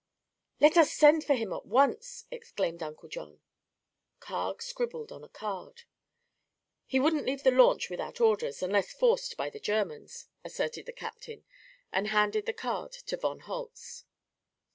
"Let us send for him at once!" exclaimed Uncle John. Carg scribbled on a card. "He wouldn't leave the launch without orders, unless forced by the Germans," asserted the captain, and handed the card to von Holtz.